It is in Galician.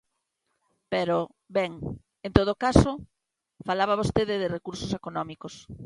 Pero, ben, en todo caso, falaba vostede de recursos económicos.